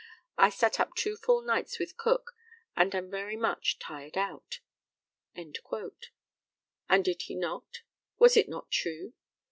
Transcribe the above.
I sat up two full nights with Cook, and am very much tired out." And did he not? Was it not true?